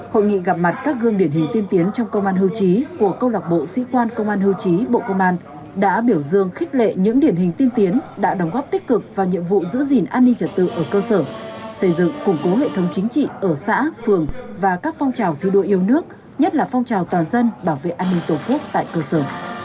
hội nghị gặp mặt các gương điển hình tiên tiến trong công an hưu trí của câu lạc bộ sĩ quan công an hưu trí bộ công an đã biểu dương khích lệ những điển hình tiên tiến đã đóng góp tích cực vào nhiệm vụ giữ gìn an ninh trật tự ở cơ sở xây dựng củng cố hệ thống chính trị ở xã phường và các phong trào thi đua yêu nước nhất là phong trào toàn dân bảo vệ an ninh tổ quốc tại cơ sở